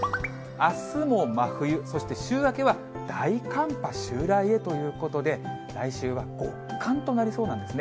あすも真冬、そして週明けは大寒波襲来へということで、来週は極寒となりそうなんですね。